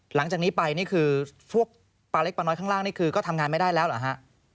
หลังจากนี้ไปนี่คือพวกปลาเล็กปลาน้อยข้างล่างนี่คือก็ทำงานไม่ได้แล้วเหรอฮะ